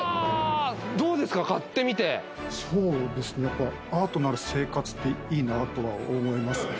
どうですか買ってみてそうですねやっぱアートのある生活っていいなとは思いますね